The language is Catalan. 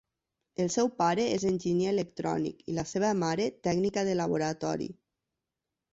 El seu pare és enginyer electrònic i la seva mare, tècnica de laboratori.